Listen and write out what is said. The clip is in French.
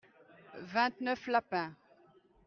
vingt neuf lapins.